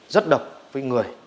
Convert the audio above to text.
rất độc với người